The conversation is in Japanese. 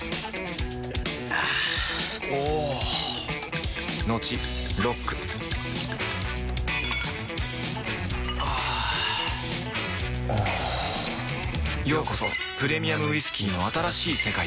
あぁおぉトクトクあぁおぉようこそプレミアムウイスキーの新しい世界へ